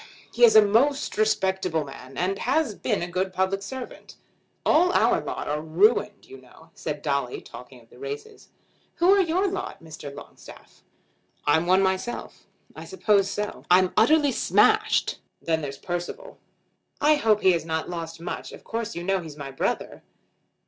He is a most respectable man; and has been a good public servant." "All our lot are ruined, you know," said Dolly, talking of the races. "Who are your lot, Mr. Longstaff?" "I'm one myself." "I suppose so." "I'm utterly smashed. Then there's Percival." "I hope he has not lost much. Of course you know he's my brother."